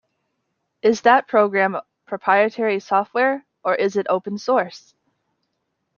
Is that program proprietary software, or is it open source?